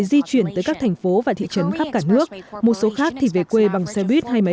di chuyển tới các thành phố và thị trấn khắp cả nước một số khác thì về quê bằng xe buýt hay máy